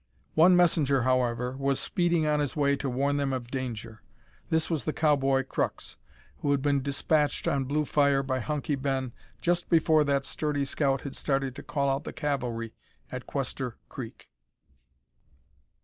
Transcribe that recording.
One messenger, however, was speeding on his way to warn them of danger. This was the cowboy Crux, who had been despatched on Bluefire by Hunky Ben just before that sturdy scout had started to call out the cavalry at Quester Creek.